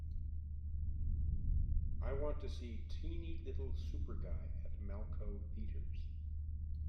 I want to see Teeny Little Super Guy at Malco Theatres